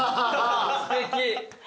すてき。